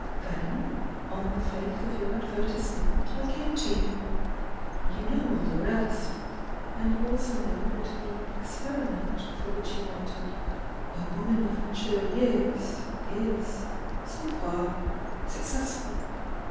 Then — on the faith of your advertisement I came to you. You know all the rest — and you also know that the 'experiment' for which you wanted 'a woman of mature years' is — so far — suc cessful.